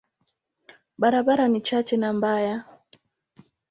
Barabara ni chache na mbaya.